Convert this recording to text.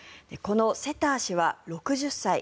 このセター氏は６０歳。